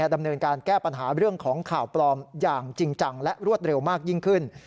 ดำเนินการแก้ปัญหาเรื่องของข่าวปลอมอย่างจริงจังและรวดเร็วมากยิ่งขึ้น